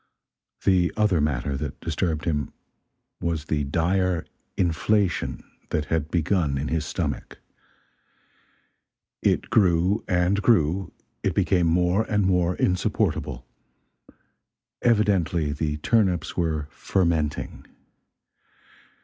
The other matter that disturbed him was the dire inflation that had begun in his stomach. It grew and grew, it became more and more insupportable. Evidently the turnips were "fermenting."